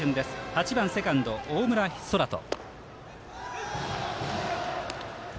８番セカンド、大村昊澄。